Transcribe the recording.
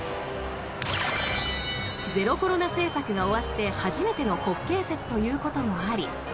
ゼロコロナ政策が終わって初めての国慶節ということもあり